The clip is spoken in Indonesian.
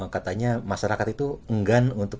katanya masyarakat itu enggan untuk